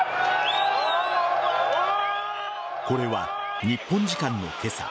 これは日本時間の今朝